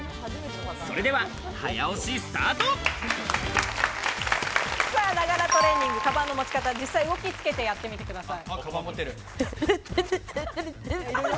それでは、早押しスタート。ながらトレーニング、カバンの持ち方、実際に動きつけて、やってみてください。